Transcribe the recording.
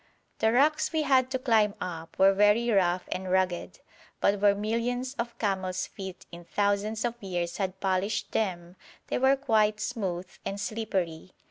The rocks we had to climb up were very rough and rugged, but where millions of camels' feet in thousands of years had polished them they were quite smooth and slippery.